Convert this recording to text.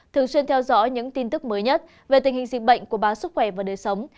thường xuyên theo dõi những tin tức mới nhất về tình hình dịch bệnh của báo sức khỏe và đời sống